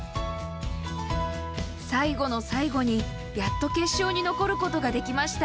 最後の最後にやっと決勝に残ることができました。